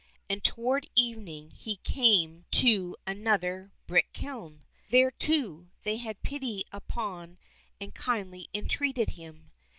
And toward evening he came to another brick kiln. There, too, they had pity upon and kindly entreated him.